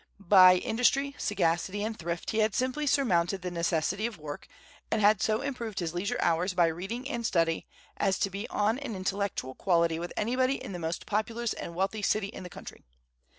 By industry, sagacity, and thrift he had simply surmounted the necessity of work, and had so improved his leisure hours by reading and study as to be on an intellectual equality with anybody in the most populous and wealthy city in the country.